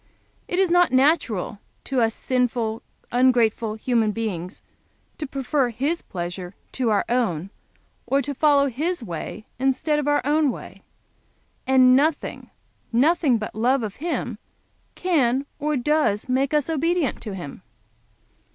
It is not natural to us sinful, ungrateful human beings to prefer His pleasure to our own, or to follow His way instead of our own way, and nothing, nothing but love to Him can or does make us obedient to Him."